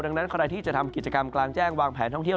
ดังนั้นใครที่จะทำกิจกรรมกลางแจ้งวางแผนท่องเที่ยว